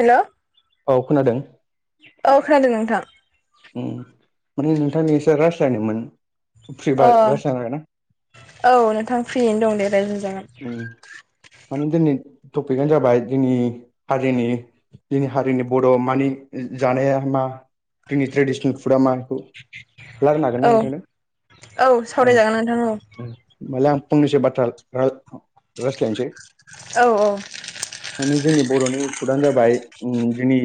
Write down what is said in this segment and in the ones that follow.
हेल' औ खोनादों औ खोनादों नोंथां माने नोंथांजों एसे राय जायानोमोन फ्रि अ बा रायजायनो हागोनना औ नोंथां फ्रियैनो दं दे राय्लोंजागोन उम माने जोंनि टपिकानो जाबाय जोंनि हारिनि जोंनि हारिनि बर' मानि जानाया मा जोंनि ट्रेडिसनेल फुडा मा लाबोनो हागोन औ ना ओंखायनो औ सावरायजागोन नोंथां अ होमबालाय आं फंनिसै बाथ्रा राय रायज्लायनोसै औ औ माने जोंनि बर'नि फुदानो जाबाय जोंनि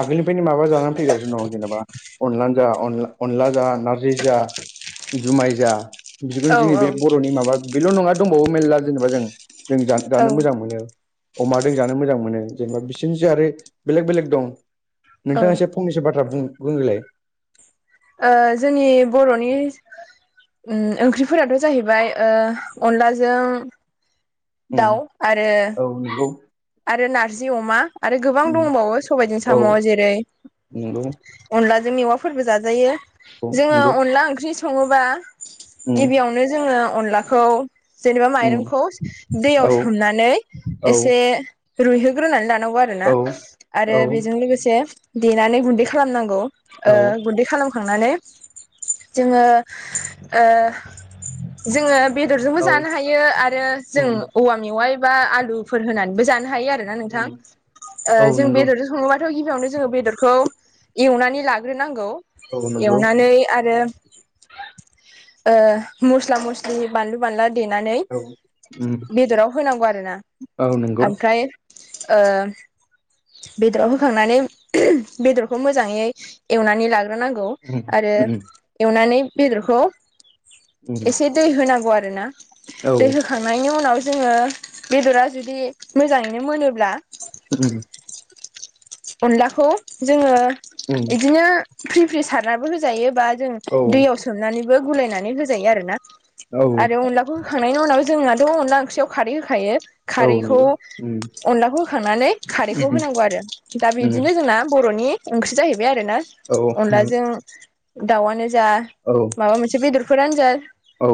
आगोलनि ओमफ्रायनि माबा जानानै फैगासिनो दं जेनेबा अनला जान अनला जा नारजि जा जुमाय जा बिदिखौनो औ जोंनि बे बर'नि माबा बेल' नङा दंबावो मेरला जेनेबा जों जों जानो मोजां औ मोनो अमा जों जानो मोजां मोनो जेनेबा बिसोरनिसो आरो बेलेग बेलेग दं औ नोंथाङा एसे फंनैसो बाथ्रा बुं बुंग्रोलाय जोंनि बर'नि ओंख्रिफोराथ' जाहैबाय अनलाजों उम दाउ आरो औ नंगौ आरो नारजि अमा आरो गोबां उम दंबावो सबायाइजों औ साम' जेरै नंगौ अनलाजों मेवाफोरबो जाजायो औ जोङो नंगौ अनला ओंख्रि सङोबा उम गिबियावनो जोङो अनलाखौ जेनेबा उम माइरंखौ दैयाव औ सोमनानै औ एसे रुइहोग्रोनानै लानांगौ आरो आरो औ बेजों लोगोसे देनानै गुन्दै खालामनांगौ औ गुन्दै खालाम थांनानै जोङो जोङो बेदरजोंबो औ जानो हायो आरो जों उम औवा मेवाइ बा आलुफोर होनानैबो जानो हायो आरोना नोंथां उम औ जों नंगौ बेदरजों सङोबा आरो' गिबियावनो जोङो बेदरखौ एवनानै लाग्रोनांगौ औ नंगौ एवनानै आरो मस्ला मस्लि बानलु बानला देनानै औ उम बेदराव होनांगौ आरोना औ नंगौ ओमफ्राय बेदराव होखांनानै बेदरखौ मोजाङै एवनानै लाग्रोनांगौ उम आरो उम एवनानै बेदरखौ उम एसे दै होनांगौ आरोना औ दै खांनायनि उनाव जोङो बेदरा जुदि मोजाङैनो मोनोब्ला उम अनलाखौ जोङो उम बिदिनो फ्रि फ्रि सारनाबो होजायो बा जों औ दैयाव सोमनानैबो गुलायनानै होजायो आरोोना औ आरो अनलाखौ होखांनायनि उनाव जोंहथ' अनला ओंख्रियाव खारै होखायो औ खारैखौ नंगौ उम अनलाखौ होखांनानै खारैखौ उम होनांगौ आरो दा उम बिदिनो जोंना बर'नि ओंख्रि जाहैबाय आरोना औ अनलाजों दाउआनो जा औ माबा मोनसे बेदरफोरानोजा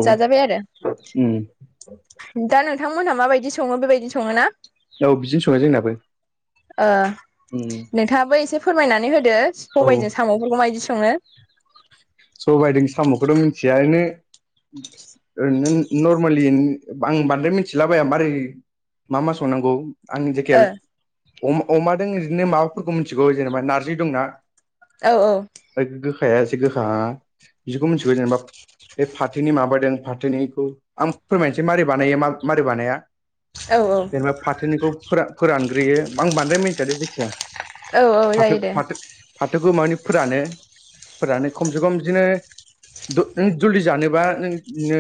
उम जाजाबाय आरो औ दा नोंथांमोनहा माबायदि सङो बेबायदि सङो ना औ बिदिनो सङा जोंनाबो उम नोंथाङाबो एसे फोरमायनानै होदो औ मबाइजों साम'फोरखौ मायदि संडा सबाय जों साम'खौथ' मिथिया एनो ओरैनो नर्मेलि आं बांद्राय मिथिलाबाया मारै मा मा संनांगौ आंनि ओ जाखियाव अमादों ओरैनो माबाफोरखौ मिथिगौ जेनेबा नार्जि दंना औ औ गोखाया एसे गोखाहांआ बिदिखौ मिथिगौ जेनेबा बे फाथोनि माबादों फाथोनिखौ आं फोरमायनोसै मारै बानायो मारै बानाया औ औ जेनेबा फाथोनिखौ फोरा फोरानग्रोयो आं बांद्राय मिथियादै जायखिजाया औ औ जायो फाथो दे फाथो फाथोखौ माने फोरानो फोरानो खमसे खम बिदिनो द जलदि जानोबा नों इदिनो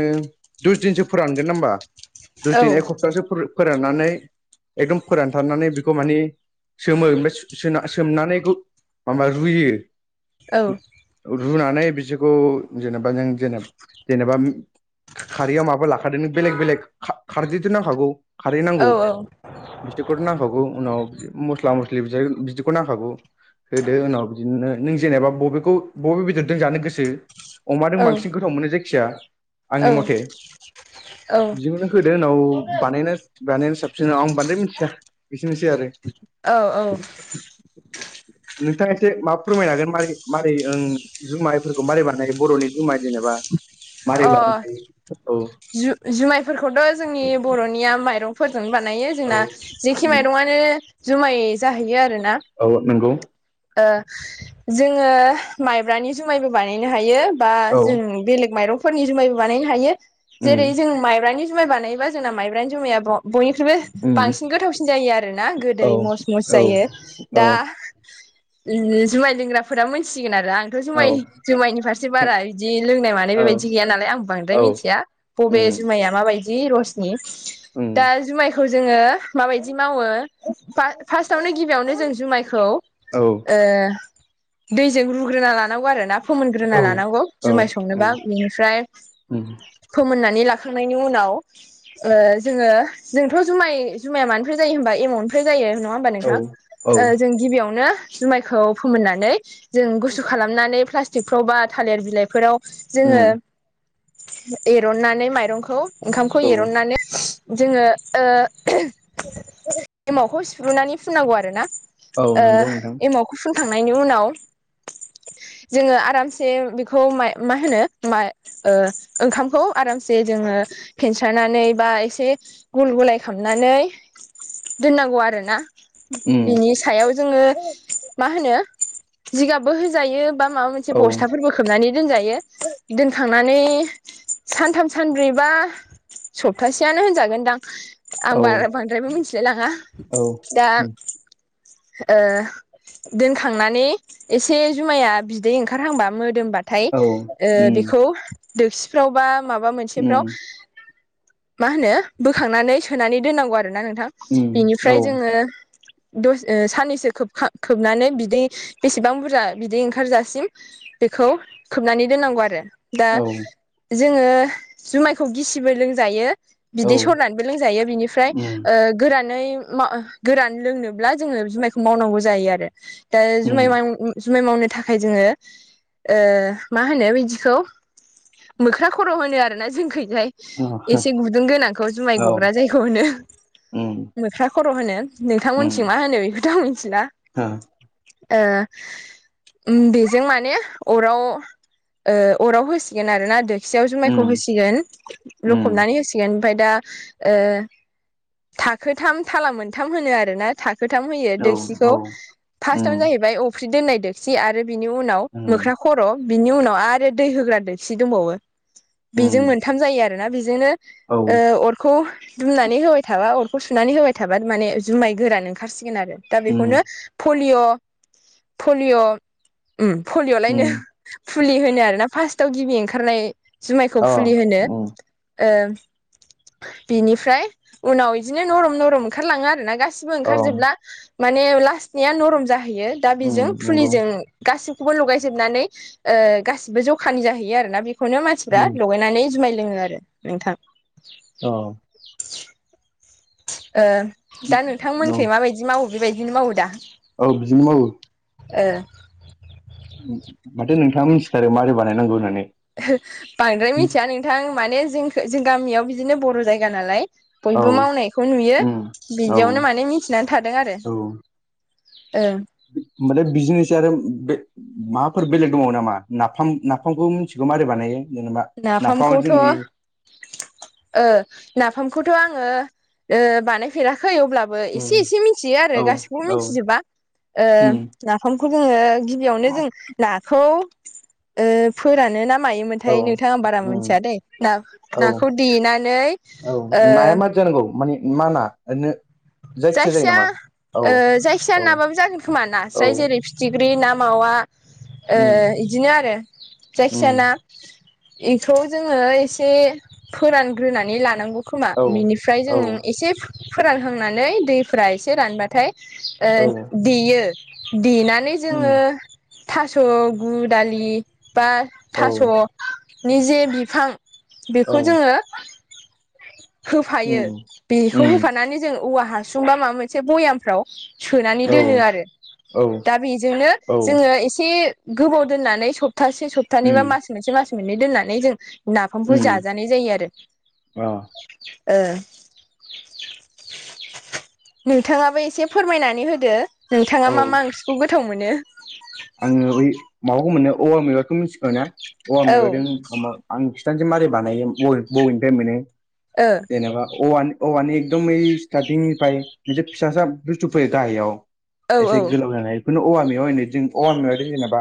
दस दिनसो फोरानगोन होमबा दस औ दिन एक हप्ताहसे फोराननानै एकदम फोरानथारनानै बेखौ माने सोमो ओमफ्राय सो सोमनानै बेखौ माबा रुयो। औ रुनानै बिसोरखौ जेनेबा नों जेना जेनेबा खारैयाव माबा ला फादो नों बेलेग बेलेग खारदैथ नांखागौ खारै औ नांगौ बिदिखौथ नांखागौ उनाव मस्ला मस्लि बि बिदिखौ नांखागौ होदो उनाव बिदिनो नों जेनेबा बबे खौ बबे बेदरजों जानो गोसो अमाजों औ बांसिन गोथाव मोनो जायखिजाया आंनि औ मथे बिजोंनो होदो उनाव बानायना बानाय साबसिन आं बांद्राय मिथिया बिसेनोसै आरो औ औ नोंथाङा एसे माबा फोरमायनो हागोन मारै मारै ओं जुमायफोरखौ मारै बानायो बरनि जुमाय जेनेबा मारै अ बानायखायो औ जु जुमाइफोरखौथ जोंनि बरनिया माइरंफोरजों बानायो औ जोंना जेखि माइरंआनो जुमाय जाहैयो आरोना। औ नंगौ ओ जोङो माइब्रानि जुमायबो बानायनो हायो बा औ जों बेलेग माइरंफोरनि जुमायबो बानायनो हायो उम जेरै जों माइब्रानि जुमाय बानायबा जोंना माइब्रानि जमाया बनिख्रुइबो उम बांसिन गोथावसिन जायो आरोना औ गोदै मस मस जायो औ दा ओ जुमाय लोंग्राफोरा मोनथिसिगोन आरो आं थ जुमाय औ जुमायनि फारसे बारा बिदि लोंनाय मानाय औ बेबायदि बि गैया नालाय आं बांद्राय औ मिथिया बबे उम जुमाइाया माबायदि रसनि। उम दा जुमायखौ खौ जोङो माबायदि मावो फार्सआवनो गिबियावनो जों जुमायखौ औ ओ दैजों रुग्रोना लानांगौ आरो ना फोमोनग्रोना औ लानांगौ औ जुमाय संनोबा उम बेनिफ्राय उम फोमोननानै लाखांनायनि उनाव ओ जोङो जोंथ जुमाय जुमाया मानिफ्राय जायो होबा एमाउ फ्राय जायो नङा होमबा औ नोंथां। औ ओ जों गिबियावनो जुमायखौ फोमोननानै जों गुसु खालामनानै प्लास्टिकफ्राव बा थालिर बिलाइफोराव जोङो उम एरननानै माइरंखौ ओंखामखौ औ एरननानै जोङो ओ एमावखौ सिफ्रुनानै फुननांगौ आरो ना औ आ नंगौ नोंथां एमाव फुनखांनायनि उनाव जोङो आरामसे बेखौ माय मा होनो मा ओ ओंखामखौ आरामसे जोङो फेनसारनानै बा एसे गुल गुलाय खालामनानै दोननांगौ आरोना। उम बिनि सायाव जोङो मा होनो जिगाबबो होजायो बा माबा मोनसे औ बस्थाफोरबो खोबनानै दोनजायो। दोनखांनानै सानथाम सानब्रैबा सप्तासेयानो होनजागोनदां आं औ बारा बांद्रायबो मिथिलाय लांङा औ दा उम ओ दोनखांनानै एसे जुमाया बिदै ओंखारहांबा मोदोमबा फाय औ ओ उम बेखौ दोगसिफ्राव बा माबा मोनसेफ्राव उम मा होनो बोखांनानै सोनानै दोननांगौ आरोना नोंथां। उम बिनिफ्राय औ जोंङो दसे ओ साननैसोब खोबनानै बिदै बेसेबां बुरजा बिदै ओंखारजासिम बेखौ खोबनानै दोननांगौ आरो। दा औ जोंङो जुमायखौ गिसिबो लोंजायो। बिदि औ सरनानैबो लोंजायो बिनिफ्राय उम गोरानै मा ओ गोरान लोंनोब्ला जोंङो जुमायखौ मावनांगौ जायो आरो दा उम जुमाय जुमाय मावनो थाखाय जोंङो ओ मा होनो बिदिखौ मोख्रा खर' होनो आरो ना जोंखैजाय एसे औ गुदुं गोनांखौ जुमाय गग्रा जायगायाव होनो उम मोख्रा खर' होनो। नोंथांमोननिथिं मा होनो बेखौथ' आं मिथिला। अ ओ ओम बेजों माने अराव ओ अराव होसिगोन आरो ना दोखसियाव जुमायखौ उम होसिगोन लखबनानै उम होसि गोन ओमफ्राय दा ओ थाखोथाम थाला मोनथाम होनो आरोना था खोथाम होयो औ दोकसिखौ औ उम फार्स्टआवनो जाहैबाय अफ्रि दोननाय दोक्सि आरो बिनि उनाव उम मोख्रा खर' बिनि उनाव आरो दै होग्रा दोकसि दंबावो उम बेजों थाम जायो आरो ना बेजोंनो औ ओ अर खौ दुमनानै होबाय थाबा अरखौ सुनानै होबाय थाबा माने जुमाय गोरान ओंखारसिगोन आरो। दा उम बेखौनो फलिय' फलिय' ओम पलिय'लायनो उम फुलि होनो आरोना फार्स्टआव गिबि ओंखारनाय जुमायखौ अ फुलि होनो। उम ओ बिनिफ्राय उनाव इदिनो नरम नरम ओंखारलाङो आरोना गासिबो। अ ओंखार जोबब्ला माने लासनिया नरम जाहैयो दा बेजों उम नंगौ फुलिजों गासिबखौबो लगायजोबनानै ओ गासिबो जखानि जाहैयो आरोना बे खौनो मानसिफ्रा उम लगायनानै जुमाय लोंङो आरो नोंथां। औ ओ दा औ नोंथांमोनखै माबायदि मावो बेबायदिनो मावो दा? औ बिदिनो मावो। ओ माथो नोंथाङा मिथिथारो माबोरै बानायनांगौ होननानै। बांद्राय मिथिया नोंथां माने जों जों गामियाव बिदिनो बर' जायगा नालाय। औ बयबो मावनायखौ नुयो उम औ बिदियावनो माने मिथि ना थादों आरो ओं माने बिजनेस आरो बे माबाफोर बेलेग दंबावो नामा नाफ नाफामखौ मिथिगौ मारै बानायो? जेनेबा नाफामा नाफामखौथ' जोंनि ओ नाफामखौथ' आंङो ओ बानायफेराखै अब्ला बो एसे उम एसे मिथियो आरो औ गासिखौबो औ मिथिजोबा ओ उम नाफामखौ जोंङो गिबियावनो जों नाखौ ओ फोरानो ना औ मायोमोनथाय नों बारा उम मोनथिया दै ना औ नाखौ देनानै औ ओ नाया मारै जानांगौ माने मा ना ओरैनो जायो जायखिजाया नामा औ ओ जायखिजाया औ नाबाबो जागोन खोमा औ नास्राय जेरै फिथिख्रि ना मावा। ओ उम इदिनो आरो जायखिजा उम ना इखौ जोंङो एसे फोरानग्रोनानै लानांगौ। खोमा औ बिनिफ्राय जों औ एसे फोरानहांनानै दैफोरा एसे रानबाथाय ओ औ देयो देनानै उम जोंङो थास' गु दालि बा औ थास'नि जे बिफां औ बेखौ जोंङो होफायो उम बेखौ उम होफानानै जों औवा हासुं बा माबा मोनसे भयामफ्राव सोनानै औ दोनो आरो औ दा बेजोंनो औ जोंङो एसे गोबाव दोननानै सप्तासे सप्तानै बा उम मास मोनसे मास मोननै दोननानै जों नाफामखौ उम जाजानाय जायो आरो। अ ओ नोंथाङाबो एसे फोरमायनानै होदो? नोंथांङा मा मा ओंख्रिखौ गोथाव मोनो? आंङो बै माबाखौ मोनो औवा मेवायखौ मिथिगौ ना औवा औ ओ मेवायदों अमा आं खिथानोसै मारै बानायो ब बबेनिफ्राय मोनो? ओ जेनेबा औवानि औवानि एकदम ओइ स्टार्टिंनिफ्राय मोनसे फिसा-सा बुस्थु फैयो गाहायाव औ एसे औ गोलाव जानाय बेखौनो औवा मेवाय होनो जों औवा मेवायदों जेनेबा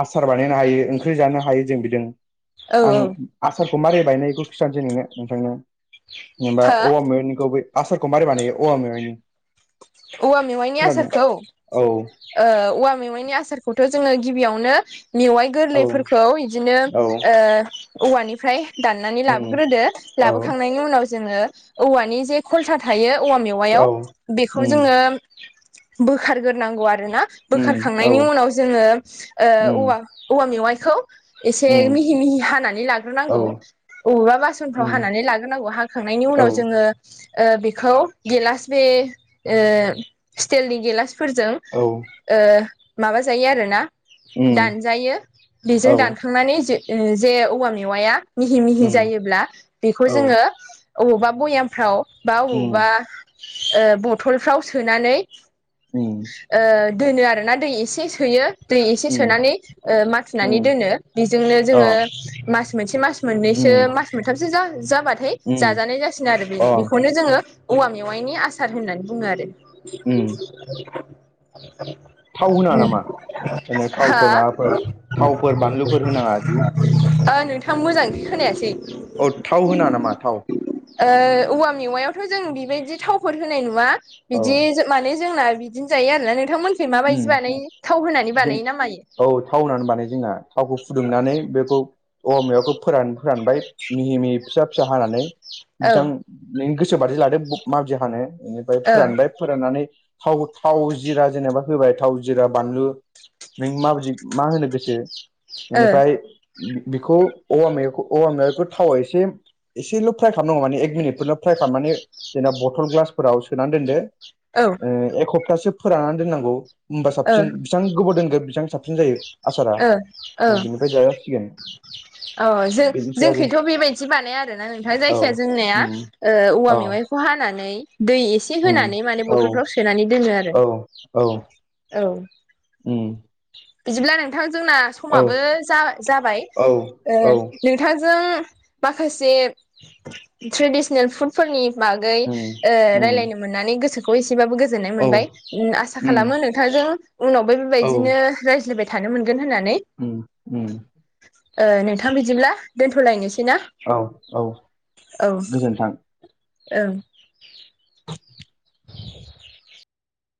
आसार बानायनो हायो ओंख्रि जानो हायो जों बिदि आं औ आसारखौ मारै बायनायो इखौ खिथानोसै नोंनो नोंथांनो जेनेबा हो औवा मेवायनिखौ बै आसारखौ मारै बानायो औवा मेवायनि ओवा मेवायनि आसारखौ? ओ औ औवा मेवायनि आसारखौथ' जोंङो गिबियावनो मेवाय औ गोरलैफोरखौ इदिनो औ ओ औवानिफ्राय दाननानै उम लाबोग्रोदो औ लाबोखांनायनि उनाव जोंङो औवानि जे खलथा थायो औवा मेवायाव औ बेखौ उम जोंङो बोखारग्रोनांगौ आरोना। उम औ बोखारखांनायनि उनाव जोंङो ओ उम औवा मेवायखौ एसे उम मिहि-मिहि हानानै औ लाग्रोनांगौ? अबेबा बासनफ्राव उम हानानै लाग्रोनांगौ हाखांनायनि औ उनाव जोंङो ओ बेखौ गेलास बे ओ स्टिलनि गेलासफोरजों औ ओ माबा जायो आरोना उम दानजायो बिजों औ दान खांनानै जे ओ जे औवा मेवाया मिहि-मिहि उम जायोब्ला बेखौ औ जोंङो अबावबा भयामफ्राव बा उम अबावबा ओ बथलफ्राव सोनानै उम दोनो आरोना दै एसे सोयो दै एसे उम सोनानै ओ माथुनानै उम दोनो बिजोंनो अ जोंङो मास मोनसे मास मोननैसो उम मास मोनथामसो जा जाबाथाय उम जाजानाय जासिगोन आरो बिनो अ बिखौनो जोंङो औवा मेवायनि आसार होननानै बुंङो आरो। उम थाव होनाङा नामा ओरैनो हो थावफोर माबाफोर थावफोर बानलुफोर होनाङा बिदि ओ नोंथां मोजां खोनायासै? ओ थाव होना नामा थाव? ओ औवा मेवायावथ' जों बिबायदि थावफोर होनाय नुवा औ बिदि जों। माने जोंना बिदिनो जायो आरोना नोंथांमोखि उम माबायदि बानायो थाव होनानै जों बानायो नामा? औ थाव होननानै बानायो जोंना थावखौ फुदुंनानै बेखौ औवा मेवायखौ फोरान फोरानबाय मिहि-मिहि फिसा-फिसा हानानै औ बिसां नोंनि गोसो बादि लादो माबादि हानो बेनिफ्राय ओ फोरानबाय फोराननानै थाव थाव जिरा जेनेबा होबाय थाव जिरा बानलु नों माबदि मा होनो गोसो ओ बेनिफ्राय बिखौ औवा मेवायखौ औवा मेवायखौ थावाव एसे एसेल' फ्राय खालामनांगौ माने एक मिनिटफोरल' फ्राय खालामनानै जेनबा बथल ग्लासफोराव सोना दोनदो औ ओ एक हप्तासो फोराननानै दोननांगौ होमबा ओ साबसिन। बेसां गोबाव दोनगोन बेसां साबसिन जायो आसारा ओ बेनिफ्राय जाजासिगोन। अ जो बेनोसै आरो जोंखैथ' बेबायदि बानाया आरोना नोंथां औ जायखि जाया जोंनिया उम ओ औवा औ मेवाय खौ हानानै दै एसे उम होनानै माने औ बथलफ्राव सोनानै दोनो आरो औ औ औ उम बिदिब्ला नोंथां जोंना औ समाबो जा जाबाय औ ओ औ नोंथांजों माखासे ट्रेडिसनेल फुड फोरनि बागै उम ओ उम रायलायनो मोननानै गोसो खौ एसेबाबो गोजोननाय औ मोनबाय आसा उम खालामो नोंथांजों उनावबो बेबायदिनो रायज्लायबाय थानो मोनगोन होननानै ओम ओम ओ नोंथां बिदिब्ला दोनथ'लायनोसै ना औ औ औ गोजोन्थों ओं